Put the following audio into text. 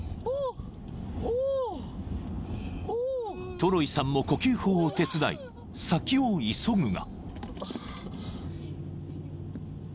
［トロイさんも呼吸法を手伝い先を急ぐが］